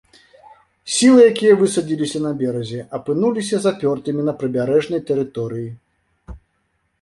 Сілы, якія высадзіліся на беразе, апынуліся запёртымі на прыбярэжнай тэрыторыі.